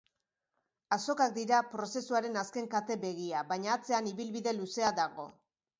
Azokak dira prozesuaren azken kate-begia, baina atzean ibilbide luzea dago.